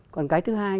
còn cái thứ hai